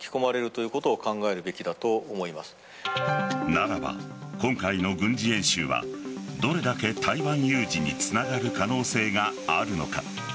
ならば、今回の軍事演習はどれだけ台湾有事につながる可能性があるのか。